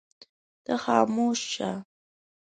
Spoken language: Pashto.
ته خاموش شه.